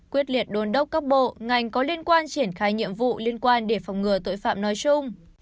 quyết liệt đồn đốc các bộ ngành có liên quan triển khai nhiệm vụ liên quan để phòng ngừa tội phạm nói chung